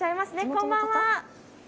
こんばんは。